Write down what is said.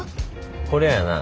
これはな